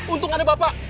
untung ada bapak